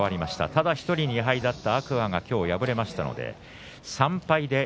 ただ１人２敗だった天空海は今日敗れましたので３敗で４人。